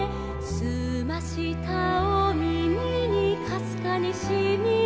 「すましたおみみにかすかにしみた」